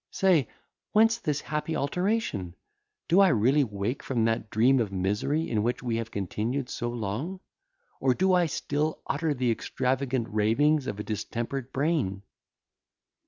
Say, whence this happy alteration? Do I really awake from that dream of misery in which we have continued so long? or do I still utter the extravagant ravings of a distempered brain?"